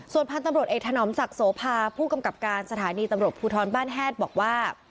ส่วนพันธุ์ตำรวจเอกถนอมศักดิ์โสภาผู้กำกับการสถานีตำรวจภูทรบ้านแฮดบอกว่า